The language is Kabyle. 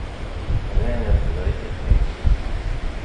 Dayen, refdeɣ ifassen-iw.